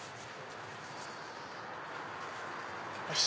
よし！